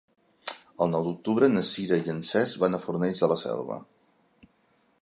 El nou d'octubre na Sira i en Cesc van a Fornells de la Selva.